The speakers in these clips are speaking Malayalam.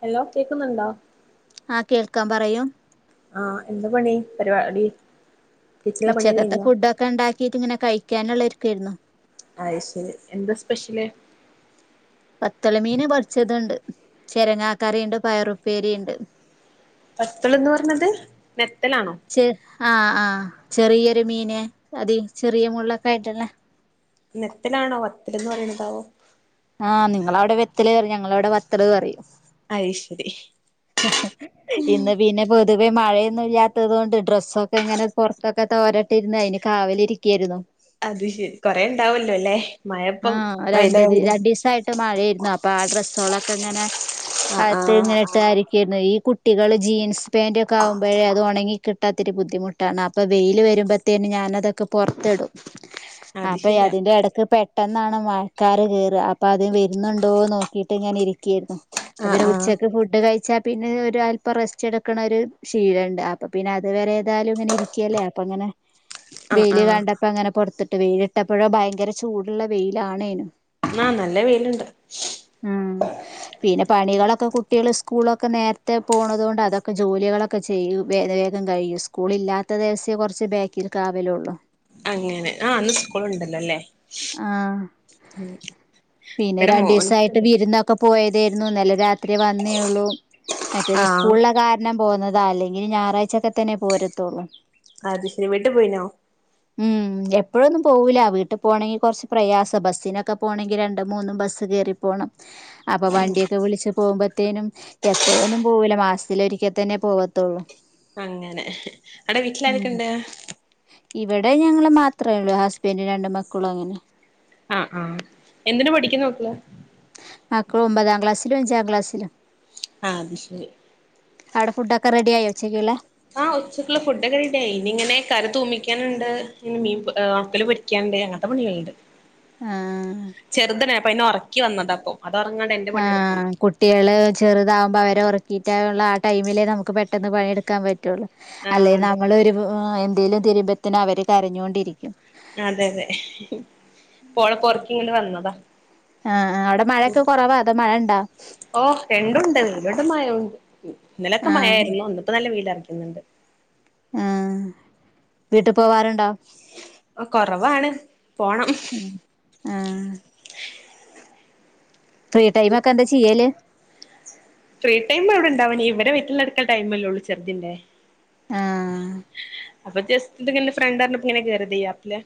ഹലോ കേക്കുന്നുണ്ടോ ആ കേൾക്കാൻ പറയൂ ആഹ് എന്താ പണി പരിപാടി? കിച്ചണിലെ പണി ഉച്ചക്കത്തെ കഴിഞ്ഞോ ഫുഡൊക്കെ ഉണ്ടാക്കീട്ട് ഇങ്ങനെ കഴിക്കാനുള്ളരിക്കായിരുന്നു അയിശരി എന്താ സ്പെഷ്യല് വത്തളമീന് പൊരിച്ചതുണ്ട് ചെരങ്ങാക്കറിയുണ്ട് പയറുപ്പേരി ഇണ്ട് പത്തൾന്ന് പറഞ്ഞത് നെത്തലാണോ ആഹ ചെറിയൊരു മീന് അതി ചെറിയ മുള്ളൊക്കെ ആയിട്ടെളേ നെത്തിലാണോ വത്തിലെന്ന് പറയണതാവോ ആഹ് നിങ്ങളവിടെ വെത്തല് പറയും ഞങ്ങള ഇവിടെ വത്തല് പറയും അയ് ശരി ഇന്ന് പിന്നെ പോ പൊതുവെ മഴയൊന്നും ഇല്ലാത് കൊണ്ട് ഡ്രസ്സൊക്കെ ഇങ്ങനെ പുറത്തൊക്കെ തോരട്ടിരുന്ന് അതിന് കാവലിരിക്കായിരുന്നു അത് ശരി കൊറേ ഉണ്ടാവോല്ലോല്ല്യ ആഹ രണ്ട്ത് രണ്ടിസായിട്ട് മഴയിരുന്നു അപ്പൊ ആ ഡ്രസ്സോളൊക്കെ ഇങ്ങനെ- ആഹ് അത്ത് ആഹ് ഇങ്ങനെയിട്ട് അരിക്കരുന്നു ഈ കുട്ടികള് ജീൻസ്- പെന്റ്ഒക്കെ ആകുമ്പഴേ അത് ഉണങ്ങി കി- കിട്ടാത്തിരി ബുദ്ധിമുട്ടാണ് അപ്പൊ വെയിയില് വരുമ്പത്തേന് ഞാനതൊക്കെ പുറത്തിടും അത് അപ്പൊ ശരിയാ അതിന്റെ ഇടക്ക് പെ- പെട്ടെന്നാണ് മഴക്കാറ് കയറ അപ്പൊ അത് വരുന്നുണ്ടോ നോക്കിട്ട് ഇങ്ങനെ ഇരിക്കിയിരുന്നു ആഹ് പിന്നെ ആഹ് ഉച്ചക്ക് ഫുഡ് കഴിച്ചാ പിന്നെ ഒരു അല്പം റെസ്റ്റെടുക്കണ ഒരു ശീല ഉണ്ട് അപ്പോൾ പിന്നെ അതു വരെ ഏതായാലും ഇങ്ങനെ ഇരിക്കുകല്ലേ അപ്പം അങ്ങനെ- ആ ആഹ ഇപ്പ അങ്ങനെ പോറത്തിട്ട് വെയിലിട്ടപ്പോഴോ ഭയങ്കര ചൂടുള്ള വെയിലാണേ ആഹ നല്ല വെയിലുണ്ട് ഉം പിന്നെ പണികളൊക്കെ കുട്ടികള് സ്കൂളൊക്കെ നേരത്തെ പോണത് കൊണ്ട് അതൊക്കെ ജോലികളൊക്കെ ചെയ്യു വേഗം കഴിയൂ സ്കൂൾ ഇല്ലാത്ത ദിവസേ കുറച്ച് ബാക്കിലെകാവലുള്ളു അങ്ങനെ ആ അന്ന് സ്കൂള് ഉണ്ടല്ലോല്ലേ ആഹ പിന്നെ ഇവിടെ രണ്ടിസായിട്ട് മോൻക്ക്ണ്ട് വിരുന്നൊക്കെ പോയ ഇന്നലെരാത്രി വന്നേള്ളൂ മറ്റേന ആഹ് സ്കൂളിലെ കാരണം പോകുന്നത് അതാ അല്ലെങ്കിൽ ഞായറാഴ്ചൊക്കെത്തന്നെ പോരുത്തുള്ളൂ അതശിരി വീട്ടി പോയിനോ ഉ എപ്പോഴൊന്നും പോവൂല്ല വീട്ടും പോണെങ്കി കുറച്ച് പ്രയാസ ബസ്സിനൊക്കെ പോണെങ്കി രണ്ടും മൂന്നും ബസ്സ് കയറി പോകണം അപ്പോ വണ്ടിയക്കെ- വിളിച്ചു പോകുമ്പത്തേനും എപ്പോഴൊന്നും പോവൂല മാസത്തില് ഒരിക്കേത്തന്നെ പോവത്തോള്ളൂ അങ്ങനെ നിങ്ങടെ വീട്ടില് ആരൊക്കോണ്ട് ഇവിടെ ഞങ്ങള് മാത്രമേ ഉള്ളൂ ഹസ്ബൻഡും രണ്ട് മക്കളും അങ്ങനെ ആ ആഹ എന്തിന് പഠിക്ക്ന്ന് മക്കള് മക്കള് ഒമ്പതാം ക്ലാസ്സിലും അഞ്ചാം ക്ലാസ്സിലും ആ അത് ശരി അവിടെ ഫുഡോക്കെ റെഡിയായോ ഉച്ചക്കുളേ ആഹ ഉച്ചക്കുള്ള ഫുഡോക്കെ റെഡിയായി ഇനി ഇങ്ങനെ കറി തൂമിക്കാനുണ്ട് മീൻ ഒണക്കൽ പൊരിക്കാന് അങ്ങനത്തെ പണികയിണ്ട് ആഹ ചെറുതനെ അപ്പൊ അനേ ഉറക്കി വന്നതാ അപ്പൊ അത് ഉറങ്ങാണ്ട് എന്റെ ആഹ പണിയെടുക്കുള്ളൂ കുട്ടികള് ചെറുതാവുമ്പോ അവരെ ഉറക്കിട്ടയ്യുള്ള ആ ടൈമ് ലേ നമക്ക് പെട്ടന്ന് പണിഎടുക്കാൻ പറ്റുള്ളൂ അല്ലേ ആഹ് അതെ നമ്മളൊരു എന്തേലും തിരിമ്പത്തന്നെ അവര് കരഞ്ഞോകൊണ്ടിരിക്കും അതെ അതെ പോളെ പൊറക്കി ഇങ്ങോട് വന്നതാ ആഹ ആഹ അവിടെ മഴൊക്കെ കുറവാ അതോ മഴ ഇണ്ടാ മയയുണ്ട് ഇന്നലൊക്കെ മഴയിന്ന ആഹ് ഇന്നുഒണ്ട് ഇപ്പോനല്ല വെയിലറക്കുന്നുണ്ട് ആഹ വീട്ട് പോവാറുണ്ടോ കൊറവാണ് പോണം ആഹ് ആഹ് ഫ്രീ ടൈമ എക്കെ എന്താ ചെയ്യല് ഫ്രീ ടൈം എവിടെ ഉണ്ടാവണ ഇവരെ വീട്ടിൽ എടുക്കൽ ടൈമല്ലേ ഉള്ളൂ ചെറുതിന്റെ ആഹ് അപ്പൊജെസ്റ്റ് ഫ്രണ്ട് ആണ്‌ അറിഞ്ഞപ്പോ ഇങ്ങനെ കയറി ഈ ആപ്പിലെ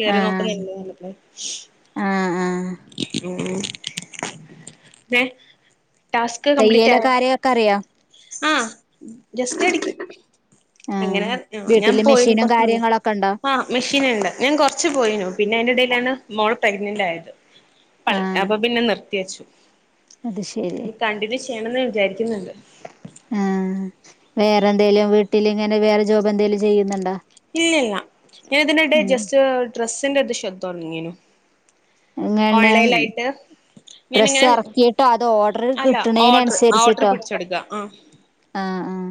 കേറി ആഹ് നോക്കുന്നല്ല ന ആഹ് ആഹ് ഉം പിന്നെ ടാസ്ക് കംപ്ലീറ്റ് ആയോ തയ്യലൊക്കെ ആരെയൊക്കെ അറിയോ ആഹ് ജസ്റ്റ് അടിക്കും ആഹ് അങ്ങനെ ഞാൻ വീട്ടില് പോയിരുന്നു മെഷീനും കൊറച്ച് മുന്നെ കാര്യങ്ങളൊക്കെ ഉണ്ടോ ആഹ് മെഷീൻണ്ട് ഞാൻ കുറച്ച് പോയിനു പിന്നെ അതിന്റെ ഇടയിലാണ് മോള് പ്രഗ്നന്റ് ആയത് പ ആഹ് അപ്പൊ പിന്നെ നിർത്തി വച്ചു അത് ശരി ഇ കണ്ടിന്യു ചെയ്യണംന്ന് വിചാരിക്കുന്നുണ്ട് ആഹ് വേറെന്തേലും വീട്ടില് ഇങ്ങനെ വേറെ ജോബ് എന്തേലും ചെയ്യുന്നുണ്ടോ ഇല്ലല്ല ഞാൻ ഇതിനിടയിൽ ജസ്റ്റ് ഡ്രസ്സിന്റെ ഒരു ഷോപ്പ് തുടങ്ങിയനു എങ്ങണം ഡ്രസ്സ് ഞാനിങ്ങനെ ഇറക്കിട്ടോ അത് ഓർഡർ അല്ല കിട്ടണതിനന് ഓർഡർ ഓർഡർ അനുസരിച്ചിട്ടോ പിടിച്ചെടുക്കുക ആഹ് ആഹ് ആഹ്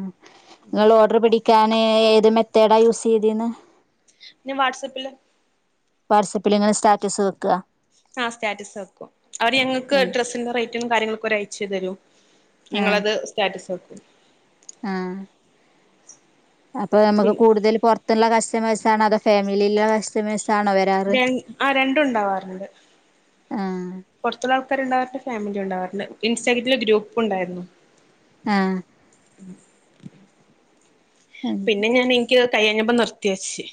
നിങ്ങൾ ഓർഡർ പിടിക്കാന് ഏത് മെത്തേഡാ യൂസ് ചെയ്തന്ന് ഞാൻ വാട്സ്ആപ്പ്ല് വാട്സ്ആപ്പിൽ ഇങ്ങനെ സ്റ്റാറ്റസ് വെക്കുക ആഹ് സ്റ്റാറ്റസ് വെയ്‌ക്കും അവര് ഞങ്ങൾക്ക് ആഹ് ഡ്രസ്സിന്റെ റേറ്റും കാര്യങ്ങളൊക്കെ അയച്ച് തരും ആഹ് ഞങളത് സ്റ്റാറ്റസ് വെയ്ക്കും ആഹ് അപ്പൊ നമുക്ക് പിന്നെ കൂടുതലും പുറത്തുള്ള കസ്റ്റമേഴ്സ് ആണ അതോ ഫാമിലിയിലുള്ള കസ്റ്റമേഴ്സ് ആണോ വരാറ് ര രണ്ടും ഉണ്ടാവാറുണ്ട് ആഹ് പൊറത്തുള്ള ഫാമിലി ഉണ്ടാവുണ്ടാർന്നു ഇൻസ്റ്റാഗ്രറ്റിൽ ഒരു ഗ്രൂപ്പ് ഉണ്ടായിരുന്നു ആഹ് [inaudible] പിന്നെ ഞാൻ എനിക്ക് കൈ വയ്യാഞ്ഞപ്പോ നിർത്തി വച്ച്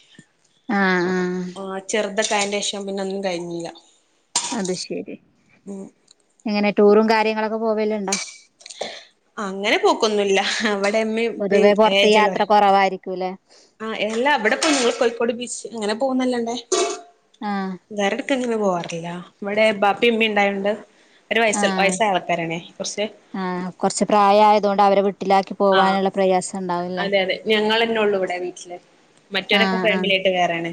ആഹ് ആഹ് അതിന്റെ ശേഷം പിന്നേ ഒന്നും കഴിഞ്ഞില്ല അത് ശെരി എങ്ങനെ ടൂറും കാര്യങ്ങളൊക്കെ പോവല്ലണ്ടാ അങ്ങനെ പോക്കൊന്നുല്ല അവിടെഉമ്മ പൊതുവേ ഉപ്പയും പുറത്ത് യാത്ര [unintelligible] കുറവായിരിക്കൂല്ലേ ആഹ് അല്ലാ അവിടെ കോഴിക്കോട് ബീച്ച് അങ്ങനെ പോകുന്നല്ലണ്ടേ ആഹ് ഇങ്ങനെ പോവാറില്ല ഇവിടെ ബാപ്പിമ്മി ഉണ്ടായോണ്ട് അവര് വയസ് ആഹ് വയസ്സായ ആൾക്കാരണെ കുറച്ച് ആഹ് കുറച്ച് പ്രായമായതുകൊണ്ട് അവരെ വീട്ടിലാക്കി ആഹ് പോവാനുള്ള പ്രയാസം ഉണ്ടാവുംല്ലേ അതെ അതെ ഞങ്ങെന്നെ ഉള്ളൂ ഇവിടെ വീട്ടില് മറ്റവരൊക്കെ ആഹ് ആഹ് ഫാമിലിയായിട്ട് വേറെയാണ്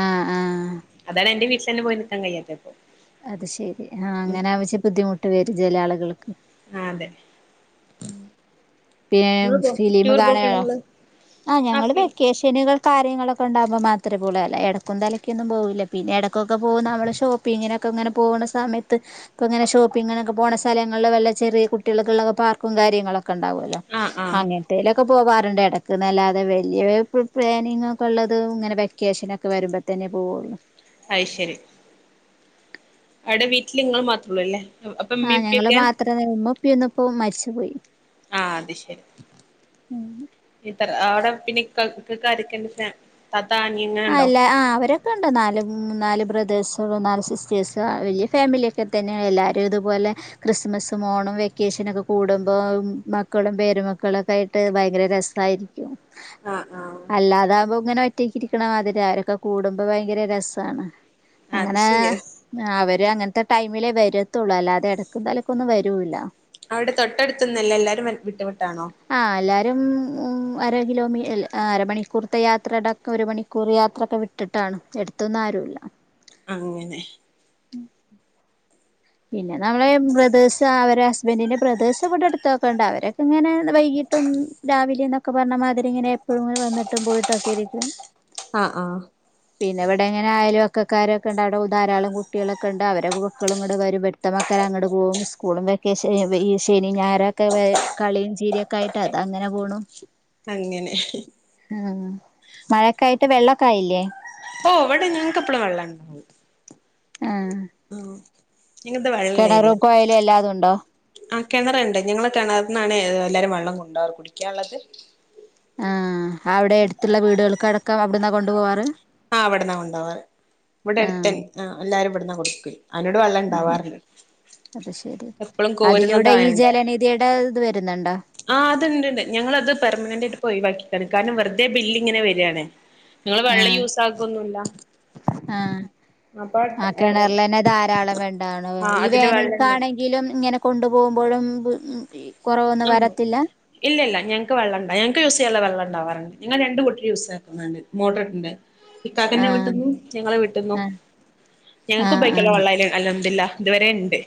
ആഹ് ആഹ് അതാണ് എന്റെ വീട്ടിൽന്നെ പോയി നിക്കാ കയില്ലാപ്പോ അത് ശെരി ആഹ് അങ്ങനെ ആവശ്യ ബുദ്ധിമുട്ട് വരും ചില ആളുകൾ ആഹ് അതെ ഉം പി നിങ്ങള് പോ ഫിലിം ടൂർ പോക്കുണ്ടോ കാണുവാണോ നിങ്ങള് ആഹ് ഞങ്ങള് വെക്കേഷനുകൾ കാര്യങ്ങളൊക്കെ ഉണ്ടകുമ്പോൾ മാത്രേ പോവുള്ളൂ അല്ലാതെ ഇടക്കുംലക്കൊന്നും പോകില്ല പിന്നെ ഇടക്കൊക്കെ പോകുന്ന നമ്മൾ ഷോപ്പിങ്ങിനെ ങ്ങനെ പോകുന്ന സമയത്ത് പിന്നെ ഷോപ്പിംഗപ്പോണ സ്‌ഥലങ്ങളില് വല്ല ചെറിയ കുട്ടികൾക്കുള്ള പാർക്കും കാ ര്യംങ്ങാള്ളോക്കേ ഉണ്ടാവുല്ലോ ആഹ് ആഹ് അങ്ങനത്തെ പോകാറുണ്ട് ഇടക്ക്ന്നല്ലാതെ വലിയ പ്ലാനിങ്ങഒക്കെള്ളത് ഇങ്ങനെ വെക്കേഷനൊക്കെ വരുമ്പോൾത്തന്നെ പോകുന്ന അയ്ശരി അവിടെ വീട്ടിൽ നിങ്ങൾ മാത്രള്ളൂ അല്ലേ അപ്പൊ ആ ഉമ്മേ ഞങ്ങള് ഉപ്പേക്കേ മാത്രമേ ഉമ്മ ഉപ്പയൊന്നും ഇപ്പോ മരിച്ചു പോയി ആഹ് അത് ശരി ഇത്ര അവടെ പിന്നെ ഇക്ക ക് [unintelligible] അല്ല ആഹ് അവരൊക്കെ ഒണ്ട് നാല് മ് നാല് ബ്രദേേഴ്സ് നാല് സിസ്റ്റേഴ്സ് വലിയ ഫാമിലിയൊക്കെ തന്നെ എല്ലാരും ഇതുപോലെ ക്രിസ്മസും ഓണം വെക്കേഷനൊക്കെ കൂടുമ്പോ മക്കളും പേരമക്കളൊക്കെ ആയിട്ട് ഭയങ്കര രസായിരിക്കും ആഹ് ആഹ് അല്ലാതാകും ങ്ങനെ ഒറ്റക്കിരി ക്ക്‌ണ മാതിരി അവരൊക്കെ കൂടുമ്പോ ഭയങ്കര രസാണ് അത് അങ്ങനെ ശരിയാ അവ ര് അങ്ങൻത്തെ ടൈമിലേ വരത്തുള്ളൂ അല്ലാതെ ഇടക്കും തലക്കൊന്നും വരൂല്ല അവിടെ തൊട്ടടുത്തൊന്നല്ല എല്ലാരുംവെ വിട്ട ആഹ് അല്ലാ- രും ഉം അര കിലോമീ ല്ല അരമണിക്കൂർത്തെ യാത്രടെ ഒരു മണിക്കൂർ യാത്രൊക്കെ വിട്ടിട്ടാണ് അണു എടുത്തൊന്നു ആരുല്ല അങ്ങനെ ഉം പിന്നെ നമ്മളെ ബ്രദേഴ്സ് അവര് ഹസ്ബന്റിന്റെ ബ്രദേേഴ്സ് ഇവിടെ അടുത്തോക്കണ്ട് അവരൊക്കെ ങ്ങനെ വൈകി ട്ടും രാവിലെ എന്നൊക്കെ പറഞ്ഞാ മാതിരി ഇങ്ങനെ എപ്പഴും വന്നിട്ടും പോയിട്ടൊക്കെ ഇരിക്കും ആഹ് ആഹ് പിന്നെ ഇവിടെങ്ങനെ അയലൊ ക്കക്കാരൊക്കെണ്ട് അവിടെ ഉ ധാരാളം കുട്ടികളൊക്കെണ്ട് അവരെ കുക്കളും ങ്ങട് വരും വെക്തമാക്കൻ അങ്ങട്പോം സ്കൂളും വെക്കേഷ ഈ ശനി ഞായറൊക്കെ വേ കളീം ചിരിയൊക്കെ ആയിട്ട് അതങ്ങനെ പോണു. അങ്ങനെ മഴക്കായിട്ട് വെള്ളോക്കായില്ലേ ഓ വടെ ഞങ്ങക്കെപ്പളു വെള്ളണ്ട് ആഹ് കിണറും കൊയലും എല്ലാതുണ്ടോ കെണറ്ണ്ട് ഞങ്ങള് കിണറ്ന്നാണ് എല്ലാരും വള്ളം കൊണ്ടോറ് കുടിക്കാള്ളത് ആഹ് അവിടെ അട്ത്തുള്ള വീടുകൾക്കടക്കം അവിടന്നാ കൊണ്ടുപോവാറ്. ആഹ് അവിടന്നാ കൊണ്ടാവാറ് ഇവിടെടടുത്തന്നെ ആഹ് എല്ലാരും ഇവിട്ന്നാ കൊടുക്കല് അങ്ങട് വെള്ളം ഉം ണ്ടാവാറില്ല അത് ശെരി അതിലൂടെ ഈ ജലനിധിടെ ഇത് വരുന്നൊണ്ടോ ആഹ് അത്ണ്ട്ണ്ട് ഞങ്ങളത് പെർമനന്റ് ആയിട്ടിപ്പൊയിവാക്കിക്കാണ് കാരണം വെർതെ ബില് ഇങ്ങനെ വരാണ് ഞങ്ങള് വെള്ളം യൂസ് ആകൊന്നുല്ല ആഹ് ആഹ് കിണറലന്നെ ധാരാളം വേണ്ടാണ് ആ ഈ അതില് വെള്ളണ്ട് വേനൽക്കാണെങ്കിലും ഇങ്ങനെ കൊണ്ടു പോകുമ്പോഴും മ്പ് മ്പി ആഹ് ഇല്ല ഇല്ല ഞങ്ങക്ക് വെള്ളംണ്ടാ ഞങ്ങക്ക് യൂസെയ്യാനുള്ള വെള്ളം ഇണ്ടാവാറുണ്ട് ഞങ്ങൾ രണ്ട്കൂട്ടര് യൂസ്സാക്കുന്നണ്ട് മോട്ടറിട്ട്ണ്ട് ഇകാക്കന്റെ ആഹ് വിട്ടുന്നു ഞങ്ങള് വിട്ടുന്നു ആഹ് ഞങ്ങക്ക് ആഹ് ഉപയിക്കാനള്ള ആഹ് വള്ള അയ്ല് അൽഹംതിലിള്ള ഇതുവരെ ഇണ്ട്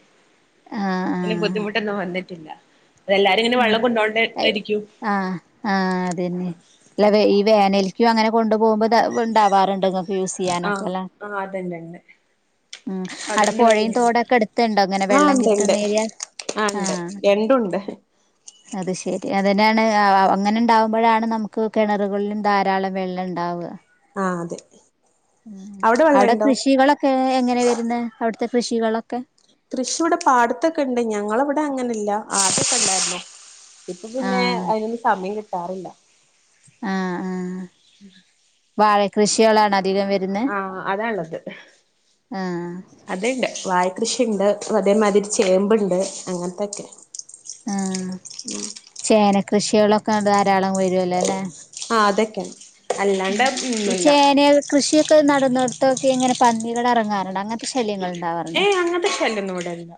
ഇനി ആഹ് ബുദ്ധിമുട്ടൊന്നും വന്നിട്ടില്ല അതെല്ലാരും ഇങ്ങനെ ഉം വെള്ളം കൊണ്ടോണ്ടേ ഐ ഇരിക്കും ആഹ് ആഹ് അതന്നെ അല്ല ഈ വേനൽ ക്കും അങ്ങനെ കൊണ്ടുപോമ്പൊ തെ ഇണ്ടാവാറുണ്ട് നിങ്ങക്ക് യൂസ് ആഹ് ചെയ്യാനൊക്കെല്ല ആഹ് അത്ണ്ട്ണ്ട് ഉം അവിടെ അതുകൊണ്ട് പൊഴയും വല്യ തോടൊക്കെ അടുത്തിണ്ടോ ഇങ്ങനെ വെള്ളം കിട്ടുന്നേരിയ ആണ്ട് രണ്ടുണ്ട് അത് ശരി അതിനാണ് അ അ അങ്ങനിണ്ടാവമ്പഴാണ് നമുക്ക് കിണറുകളിലും ധാരാളം വെള്ള ണ്ടാവ ആഹ് അതെ അവിടെ അവടെ വെള്ളണ്ടോ കൃഷികളൊക്കെ എങ്ങനെ വരുന്ന അവിടത്തെ കൃഷികളൊക്കെ കൃഷി ഇവിടെ പാടത്തൊക്കെണ്ട് ഞങ്ങളിവിടെ അങ്ങനെ ഇല്ല ആതൊക്കെ ഇണ്ടാരുന്നു ഇപ്പൊ ആ പിന്നെ അയിനൊന്ന് സമയം കിട്ടാറില്ല ആഹ് ആഹ് അധികം വരുന്നത് ആഹ് അതാ ഇള്ളത് ആ അത്ണ്ട് വായകൃഷിണ്ട് വ തേമാരി ചേമ്പ്ണ്ട് അങ്ങൻത്തൊക്കെ ആഹ് ചേന കൃഷികളൊക്കെ ധാരാളം വരുവല്ലോല്ലേ ആഹ് അതൊക്കെയാണ് ഈ ചേന കൃഷിയൊക്കെ നടന്നിടത്തൊക്കെ ഇങ്ങനെ പന്നികൾ എറങ്ങാറുണ്ട് അങ്ങനത്തെ ശല്യങ്ങൾ ഉണ്ടാവാറുണ്ടോ ഏയ് അങ്ങനത്തെ ശല്യൊന്നും ഇവിടെല്ല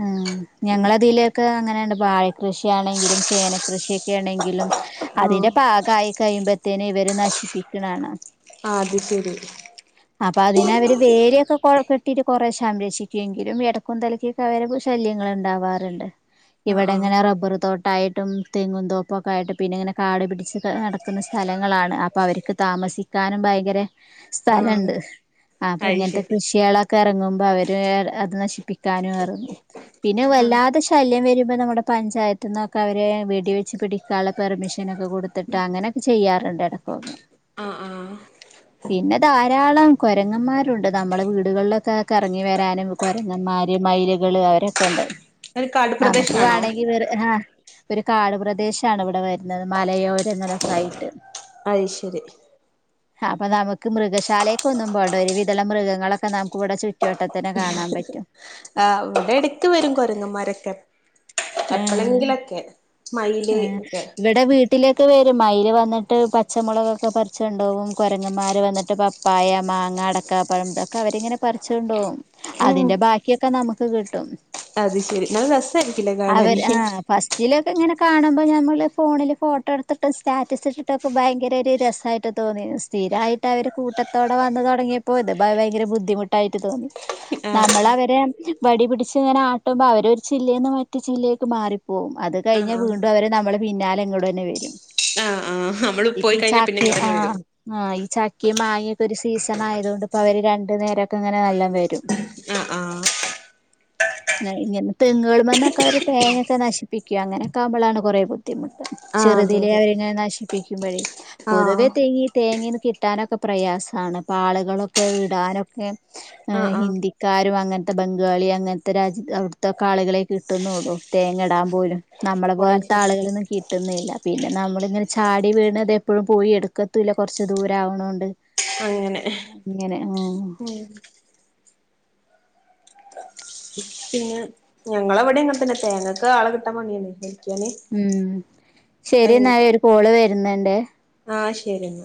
ആ ഞങ്ങളതിലൊക്കെ അങ്ങനെ ആണ് വാഴ കൃഷിയ ആണെങ്കിലും ചേനക്കൃഷിയൊക്കെ ആണെങ്കിലും ആഹ് അതിന്റെ പാകമായി കഴിയുമ്പ ഇതിനെ ഇവരെ നശിപ്പിക്കണാണ് അത് ശരി അപ്പൊ അതിന് അവര് വേലിയൊക്കെ കെട്ടിട്ട് കുറെ സംരക്ഷിക്കുമെങ്കിലും ഇടക്കും തലക്കൊക്കെ അവര് ശല്യം ങ്ങനാഉണ്ടാവാറുണ്ട് ആഹ് ആഹ് ഇവിടെങ്ങന റബർ തോട്ട ഉണ്ടായിട്ടും തെങ്ങും തോപ്പൊക്ക ആയിട്ട് പിന്നെ ഇങ്ങനെ കാട് പിടിച്ച് കടക്കുന്ന സ് സ്ഥലങ്ങളാണ് അപ്പൊ അവർക്ക് താമസിക്കാനും ഭയങ്കര ആഹ് സ്ഥലുണ്ട് ആ അപ്പൊ അയ് ഇങ്ങനത്തെ ശരി കൃഷികളൊക്കെ ഇറങ്ങുമ്പോ അവര് അത് നശിപ്പിക്കാനും ഇറു പിന്നെ ആഹ് വല്ലാതെ ശല്യം വരും ഇപ്പ നമ്മുടെ പഞ്ചായത്ത് നിന്നൊക്കെ അവര് വെടിവെച്ച് പിടിക്കാനുള്ള പെർമിഷനൊക്കെ കൊടുത്തിട്ട് അങ്ങനെ ചെയ്യാറുണ്ട് ഇടക്കൊക്കെ ആഹ് ആഹ് പിന്നെ ധാരാളം കൊരങ്ങന്മാരുണ്ട് നമ്മളെ വീടുകളിലൊക്കെ കറങ്ങി വരാനും കൊരങ്ങന്മാര് മയിലുകൾ അവരൊക്കെ ഉണ്ട് ഒരു കാട് നമുക്ക് പ്രദേശാണോ വേണമെങ്കില് ഒരു കാടു പ്രദേശമാണ് ഇവിടെ വരുന്നത് മലയോരങ്ങളൊക്കെ ആയിട്ട് അയ്ശരി അപ്പൊ നമുക്ക് മൃഗശാലയൊക്കെ ഒന്നും പോണ്ട ഒരു വിധമുള്ള മൃഗങ്ങളൊക്കെ നമുക്ക് ഇവിടെ ചുറ്റുവട്ടത്തിന് കാണാൻ പറ്റും ആ ഇവിടെ എടക്ക് വരും കൊരങ്ങന്മാരൊക്കെ എപ്പളെങ്കിലൊക്കെ മയില് ആ ഒക്കെ ഇവിടെ വീട്ടിലേക്കു വരും മയിൽ വന്നിട്ട് പച്ചമുളകൊക്കെ പറിച്ചോണ്ട് കൊണ്ടോകും കുരങ്ങന്മാർ വന്നിട്ട് പപ്പായ മാങ്ങ അട പഴഇതൊക്കെ അവരിങ്ങനെ പറിച്ചുകൊണ്ട് പോകും ഉം അതിന്റെ ബാക്കിയൊക്കെ നമുക്ക് കിട്ടും അത് ശെരി നല്ല രസായിരികുലേ കാണാൻ കാണുമ്പോൾ നമ്മള് ഫോണിൽ ഫോട്ടോ എടുത്തിട്ടും സ്റ്റാറ്റസ് ഇട്ടിട്ടൊക്കെ ഭയങ്കര ഒരു രസമായിട്ട് തോന്നിരുന്നു ഫസ്റ്റ് സ്ഥിരായിട്ട് അവര് കൂട്ടത്തോടെ വന്ന് തുടങ്ങിയപ്പോ ഇത് ഭയങ്കര ബുദ്ധിമുട്ടായിട്ട് തോന്നി ആഹ് നമ്മളെ വടി പിടിച്ചു ഇങ്ങനെ ആട്ടുമ്പോ അവര ചില്ലയിൽന്ന് മറ്റു ചില്ലയിലേക്ക് മാറിപ്പോകും അത് ആഹ് ആഹ് വീണ്ടും അവരെ നമ്മെ പിന്നാലെ ഇങ്ങോട്ട് തന്നെ വരും ആഹ് ആഹ് നമ്മള് ഇപ്പൊ പോയി ഈ കഴിഞ്ഞാ പിന്നെ ചക്ക ഇങ്ങട്ടന്നെ ആഹ് വരും ആഹ് ഈ ചക്കിം മാങ്ങിം ഒരു സീസൺ ആയതൊണ്ട് ഇപ്പോ അവര് രണ്ടു നേരൊക്കെ ഇങ്ങനെ നല്ല വരും ആഹ് ആഹ് ഇങ്ങനെ തെങ്ങുകള വന്നൊക്കെ അവര് തേങ്ങൊക്കെ നശിപ്പികും അങ്ങനെ നമ്മളാണെ കുറെ ബുദ്ധിമുട്ട് ആഹ് അതെ ചെറുതിലെ അതെ അവരിങ്ങനെ നശിപ്പിക്കുമ്പോഴേ പൊതുവെ ആഹ് തേങ്ങ തേങ്ങീന്ന് കിട്ടാനൊക്കെ പ്രയാസമാണ് ഇപ്പൊ ആളുകളൊക്കെ വിടാനൊക്കെ് ആഹ് ആഹ് ഹിന്ദിക്കാരും അങ്ങനത്തെ ബംഗാളി അങ്ങനത്തെ രാജ്യത്ത് അവിടുതൊക്കെ ആളുകളെ കിട്ടുന്നുള്ളൂ തേങ്ങടാൻ പോലും നമ്മളെ അത് പോലത്തെ ശരി ആളുകളൊന്നും കിട്ടുന്നില്ല പിന്നെ നമ്മളിങ്ങനെ ചാടി വീണത് എപ്പോഴും പോയി എടുക്കത്തല്ല കുറച്ച് ദൂരവണൊണ്ട് അങ്ങനെ ഓ ഉം പിന്നെ ഞങ്ങള അവിടെ ഇങ്ങനെ തന്നെ തേങ്ങക്ക് ആളെ കിട്ടാൻ പണിയാണ് ഹെൽപ്പിയാന് ഉം ശരി എന്നാൽ ഒരു കോള് വരുന്നുണ്ട് ആഹ ശരിഎന്ന